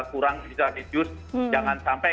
kurang bisa di use jangan sampai